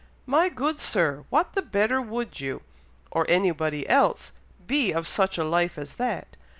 "My good Sir! what the better would you, or anybody else, be of such a life as that!